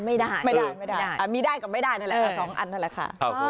มีได้ก็ไม่ได้นั่นแหละ๒อันนั่นแหละค่ะ